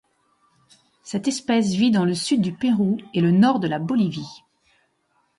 Cette espèce vit dans le Sud du Pérou et le Nord de la Bolivie.